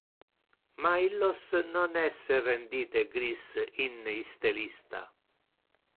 Ma illos non es rendite gris in iste lista.